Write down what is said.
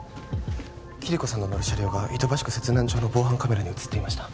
キリコさんの乗る車両が板橋区摂南町の防犯カメラに写っていました